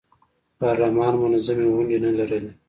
پارلمان منظمې غونډې نه لرلې.